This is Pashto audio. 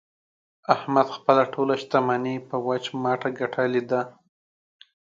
احمد خپله ټوله شمني په وچ مټه ګټلې ده.